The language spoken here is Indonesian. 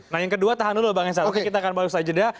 nah yang kedua tahan dulu bang syarif kita akan balik saja dah